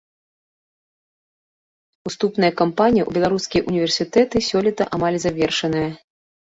Уступная кампанія ў беларускія ўніверсітэты сёлета амаль завершаная.